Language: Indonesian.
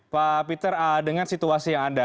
pak peter dengan situasi yang ada